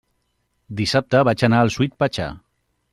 Dissabte vaig anar al Sweet Pachá.